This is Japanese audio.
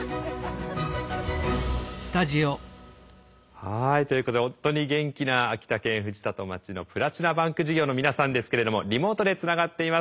はいということで本当に元気な秋田県藤里町の「プラチナバンク事業」の皆さんですけれどもリモートでつながっています。